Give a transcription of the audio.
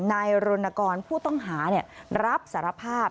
นายรณกรผู้ต้องหารับสารภาพ